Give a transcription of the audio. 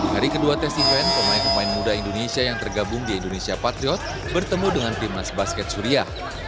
hari kedua tes event pemain pemain muda indonesia yang tergabung di indonesia patriot bertemu dengan timnas basket suriah